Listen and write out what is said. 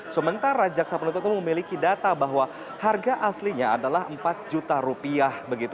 sementara jaksa penuntut umum memiliki data bahwa harga aslinya adalah empat juta rupiah